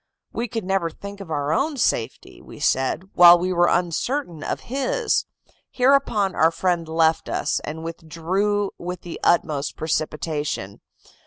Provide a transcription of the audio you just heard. We could never think of our own safety, we said, while we were uncertain of his. Hereupon our friend left us, and withdrew with the utmost precipitation.